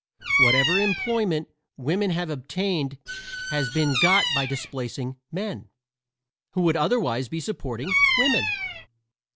Whatever employment women have obtained has been got by displacing men who would otherwise be supporting women.